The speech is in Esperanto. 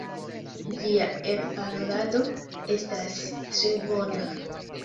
Via elparolado estas tre bona.